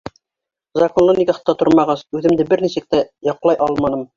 Законлы никахта тормағас, үҙемде бер нисек тә яҡлай алманым.